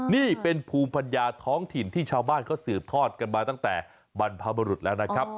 นี่เป็นภูมิปัญญาท้องถิ่นที่ชาวบ้านเขาสืบทอดกันมาตั้งแต่บรรพบรุษแล้วนะครับ